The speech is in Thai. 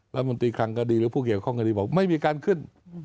รัฐมนตรีคลังคดีหรือผู้เกี่ยวข้องคดีบอกไม่มีการขึ้น